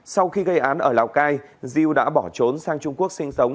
sau khi gây án ở lào cai diêu đã bỏ trốn sang trung quốc sinh sống